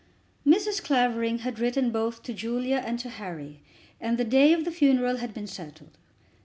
Mrs. Clavering had written both to Julia and to Harry, and the day of the funeral had been settled.